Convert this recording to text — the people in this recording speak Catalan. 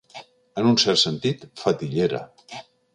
En un cert sentit, fetillera.